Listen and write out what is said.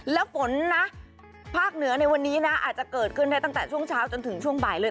แล้วฝนนะภาคเหนือในวันนี้นะอาจจะเกิดขึ้นได้ตั้งแต่ช่วงเช้าจนถึงช่วงบ่ายเลย